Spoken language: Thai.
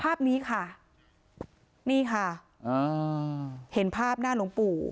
ภาพนี้ค่ะนี่ค่ะอ่าเห็นภาพหน้าหลวงปู่